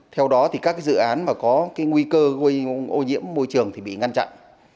theo đó thì các dự án mà có cái nguy cơ ô nhiễm môi trường thì bị ngăn chặn